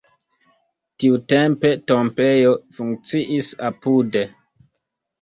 Tiutempe tombejo funkciis apude.